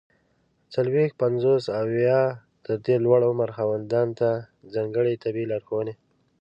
څلوېښت، پنځوس او یا تر دې د لوړ عمر خاوندانو ته ځانګړي طبي لارښووني!